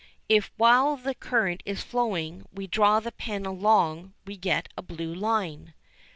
If, while the current is flowing, we draw the pen along, we get a blue line.